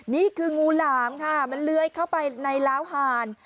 งูหลามค่ะมันเลื้อยเข้าไปในล้าวหาน